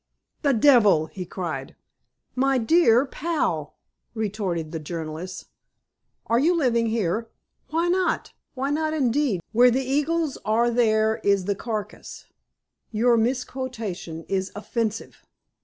"The devil!" he cried. "My dear pal!" retorted the journalist. "Are you living here?" "Why not?" "Why not, indeed? Where the eagles are there is the carcase." "Your misquotation is offensive."